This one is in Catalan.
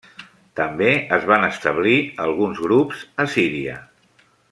També es van establir alguns grups a Síria.